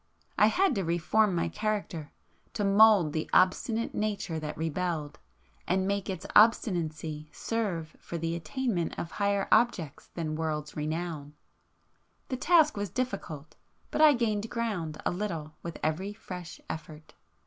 I had to re form my character,—to mould the obstinate nature that rebelled, and make its obstinacy serve for the attainment of higher objects than world's renown,—the task was difficult,—but I gained ground a little with every fresh effort.